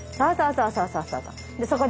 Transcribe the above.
そうそうそうそう。